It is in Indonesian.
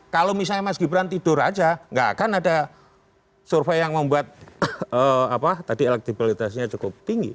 kalau misalnya mas gibran tidur aja nggak akan ada survei yang membuat elektibilitasnya cukup tinggi